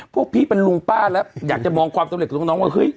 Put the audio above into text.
พวกพี่เป็นลุงป้าแล้วอยากจะมองความสำเร็จของน้องว่าเฮ้ย